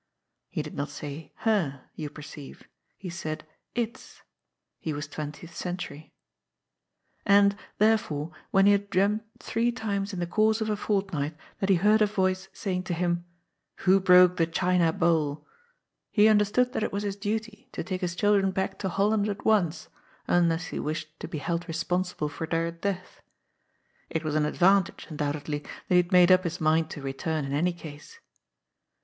He did not say " her," you perceive. He said " its." He was twentieth century. And, theref ore^hen he had dreamed three times in the 302 QOB'S FOOL. course of a fortnight that he heard a voice saying to him :" Who broke the China bowl ?" he understood that it was his duty to take his children back to Holland at once, unless he wished to be held responsible for their death. It was an advantage, undoubtedly, that he had made up his mind to return in any case.